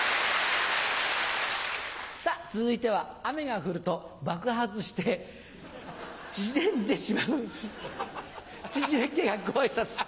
さぁ続いては雨が降ると爆発して縮んでしまう縮れっ毛がご挨拶！